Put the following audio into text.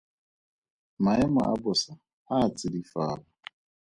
Maemo a bosa a a tsidifala.